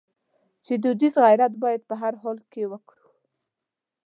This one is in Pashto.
چې دودیز غیرت باید په هر حال کې وکړو.